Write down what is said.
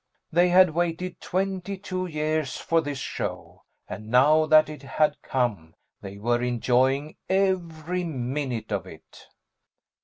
They had waited twenty two years for this show, and now that it had come they were enjoying every minute of it.